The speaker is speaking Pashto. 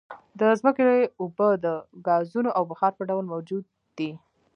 د ځمکې اوبه د ګازونو او بخار په ډول موجود دي